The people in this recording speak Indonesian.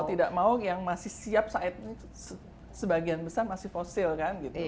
mau tidak mau yang masih siap saat ini sebagian besar masih fosil kan gitu